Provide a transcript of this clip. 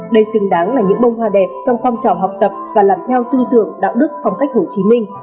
đây xứng đáng là những bông hoa đẹp trong phong trào học tập và làm theo tư tưởng đạo đức phong cách hồ chí minh